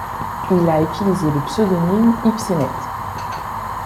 Il a utilisé le pseudonyme Ipsémet.